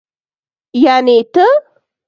يعنې ته.